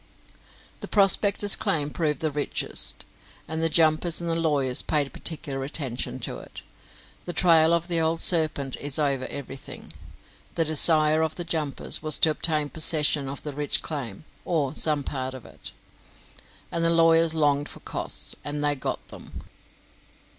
The prospectors' claim proved the richest, and the jumpers and the lawyers paid particular attention to it. The trail of the old serpent is over everything. The desire of the jumpers was to obtain possession of the rich claim, or of some part of it; and the lawyers longed for costs, and they got them.